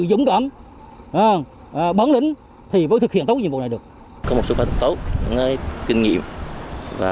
dũng cảm bấn lính thì mới thực hiện tốt nhiệm vụ này được có một số phát tốc những kinh nghiệm và